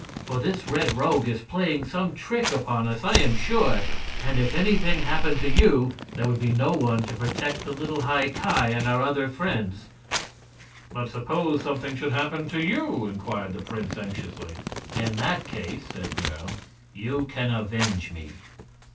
For this Red Rogue is playing some trick upon us, I am sure, and if anything happened to you there would be no one to protect the little High Ki and our other friends." "But suppose something should happen to you?" inquired the prince, anxiously. "In that case," said Nerle, "you can avenge me."